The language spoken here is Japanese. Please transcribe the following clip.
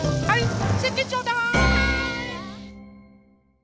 はい。